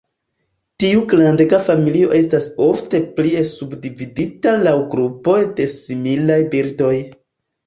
Tiu grandega familio estas ofte plie subdividita laŭ grupoj de similaj birdoj.